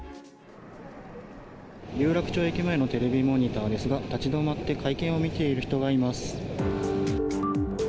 有楽町駅前のテレビモニターですが、立ち止まって会見を見ている人がいます。